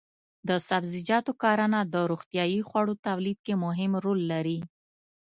د سبزیجاتو کرنه د روغتیايي خوړو تولید کې مهم رول لري.